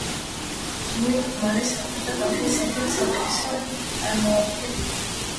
კიმი მალე საბჭოთა კავშირის ერთ-ერთ საუკეთესო ტანმოვარჯიშედ იქცა.